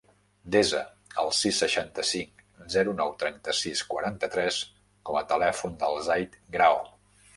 Desa el sis, seixanta-cinc, zero, nou, trenta-sis, quaranta-tres com a telèfon del Zaid Grao.